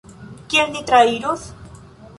Kiel ni trairos?